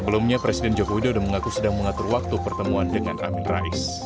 sebelumnya presiden joko widodo mengaku sedang mengatur waktu pertemuan dengan amin rais